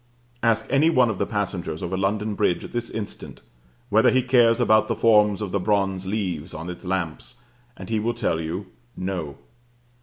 Ask any one of the passengers over London Bridge at this instant whether he cares about the forms of the bronze leaves on its lamps, and he will tell you, No.